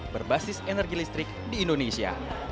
berbasis energi listrik di indonesia